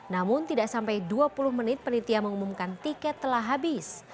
namun tidak sampai dua puluh menit penitia mengumumkan tiket telah habis